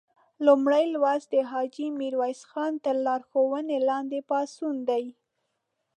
لومړی لوست د حاجي میرویس خان تر لارښوونې لاندې پاڅون دی.